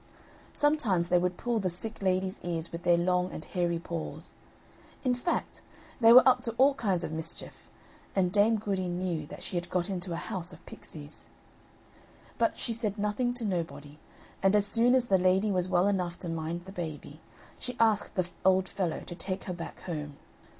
Sometimes they would pull the sick lady's ears with their long and hairy paws. In fact, they were up to all kinds of mischief; and Dame Goody knew that she had got into a house of pixies. But she said nothing to nobody, and as soon as the lady was well enough to mind the baby, she asked the old fellow to take her back home.